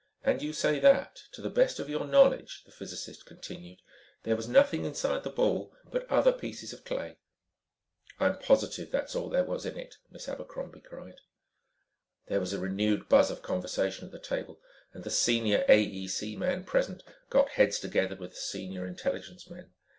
"And you say that, to the best of your knowledge," the physicist continued, "there was nothing inside the ball but other pieces of clay." "I'm positive that's all there was in it," Miss Abercrombie cried. There was a renewed buzz of conversation at the table and the senior AEC man present got heads together with the senior intelligence man.